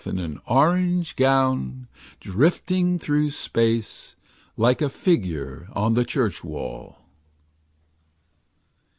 In an orange gown. Drifting through space. Like a figure on the church wall.